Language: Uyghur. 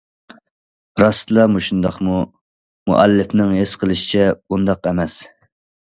راستلا مۇشۇنداقمۇ؟ مۇئەللىپنىڭ ھېس قىلىشىچە بۇنداق ئەمەس.